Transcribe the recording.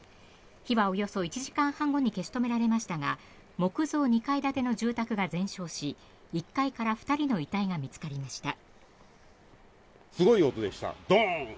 火はおよそ１時間半後に消し止められましたが木造２階建ての住宅が全焼し１階から２人の遺体が見つかりました。